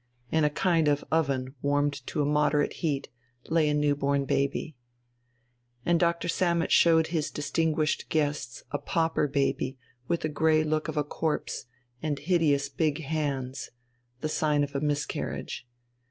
In a kind of oven, warmed to a moderate heat lay a new born baby. And Doctor Sammet showed his distinguished guests a pauper baby with the grey look of a corpse and hideous big hands, the sign of a miscarriage....